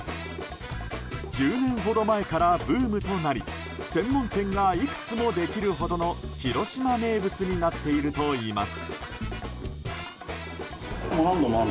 １０年ほど前からブームとなり専門店がいくつもできるほどの広島名物になっているといいます。